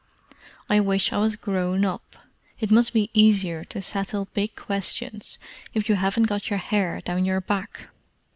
I wish I was grown up—it must be easier to settle big questions if you haven't got your hair down your back!"